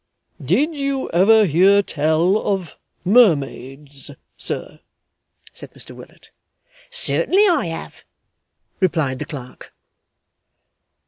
'Did you ever hear tell of mermaids, sir?' said Mr Willet. 'Certainly I have,' replied the clerk.